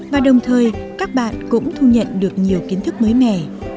và đồng thời các bạn cũng thu nhận được nhiều kiến thức mới mẻ